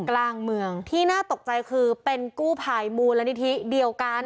กลางเมืองที่น่าตกใจคือเป็นกู้ภัยมูลนิธิเดียวกัน